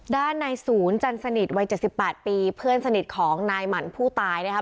ด้านในศูนย์จันสนิทวัย๗๘ปีเพื่อนสนิทของนายหมั่นผู้ตายนะครับ